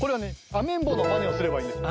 アメンボのまねをすればいいです。